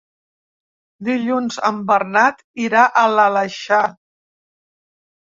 Dilluns en Bernat irà a l'Aleixar.